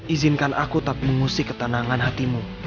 izinkan aku tak mengusik ketenangan hatimu